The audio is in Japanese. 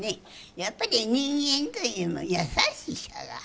やっぱり人間というのは優しさが。